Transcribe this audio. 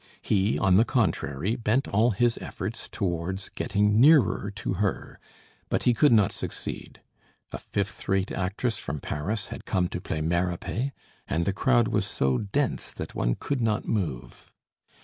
He, on the contrary, bent all his efforts towards getting nearer to her; but he could not succeed. A fifth rate actress from Paris had come to play Mérope, and the crowd was so dense that one could not move.